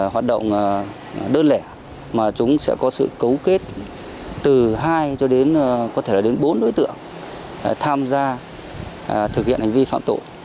hoạt động đơn lẻ mà chúng sẽ có sự cấu kết từ hai cho đến có thể là đến bốn đối tượng tham gia thực hiện hành vi phạm tội